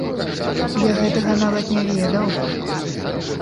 Я гэтага нават не ведаў!